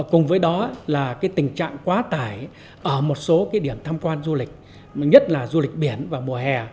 cùng với đó là tình trạng quá tải ở một số điểm tham quan du lịch nhất là du lịch biển và mùa hè